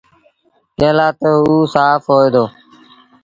ڪݩهݩ لآ تا اوٚ سآڦ هوئي دو۔